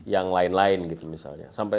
yang lain lain gitu misalnya sampai